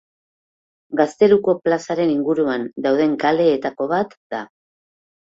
Gazteluko plazaren inguruan dauden kaleetako bat da.